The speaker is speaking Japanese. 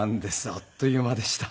あっという間でした。